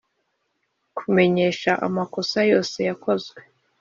Kumenyesha amakosa yose yakozwe